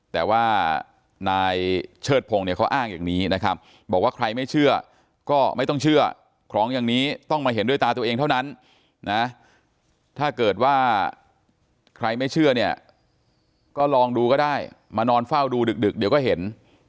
แต่ว่านายเชิดพงศ์เนี่ยเขาอ้างอย่างนี้นะครับบอกว่าใครไม่เชื่อก็ไม่ต้องเชื่อของอย่างนี้ต้องมาเห็นด้วยตาตัวเองเท่านั้นนะถ้าเกิดว่าใครไม่เชื่อเนี่ยก็ลองดูก็ได้มานอนเฝ้าดูดึกเดี๋ยวก็เห็น